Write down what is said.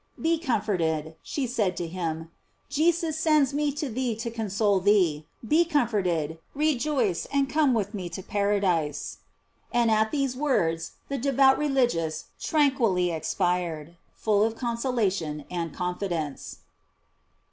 f Be comforted," she said to him; " Jesus sends me to thee to con sole thee; be comforted, rejoice, and come with me to paradise." And at these words the de vout religious tranquilly expired, full of conso lation and confidence.